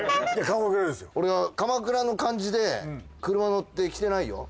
俺は鎌倉の感じで車乗ってきてないよ。